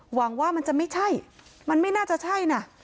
หวังว่ามันจะไม่ใช่มันไม่น่าจะใช่นะ